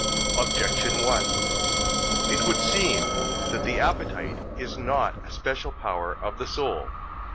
Objection 1: It would seem that the appetite is not a special power of the soul.